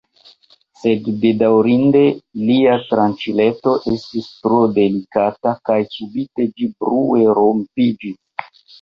Sed bedaŭrinde lia tranĉileto estis tro delikata kaj subite ĝi brue rompiĝis.